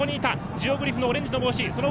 ジオグリフがオレンジの帽子。